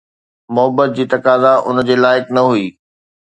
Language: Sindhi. محبت جي تقاضا ان جي لائق نه هئي